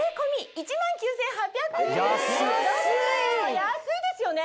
安いですよね？